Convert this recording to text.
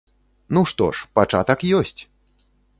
Ну што ж, пачатак ёсць!